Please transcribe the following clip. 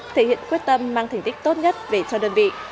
thể hiện quyết tâm mang thành tích tốt nhất về cho đơn vị